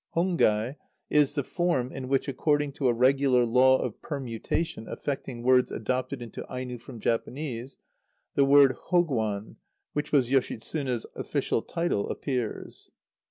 Hongai is the form in which, according to a regular law of permutation affecting words adopted into Aino from Japanese, the word Hõgwan, which was Yoshitsune's official title, appears!